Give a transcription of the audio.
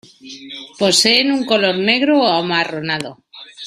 Poseen un color negro o amarronado.